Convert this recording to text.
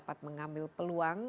dapat mengambil peluang